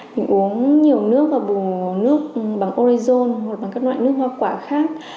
mình uống nhiều nước và bù nước bằng orizon hoặc bằng các loại nước hoa quả khác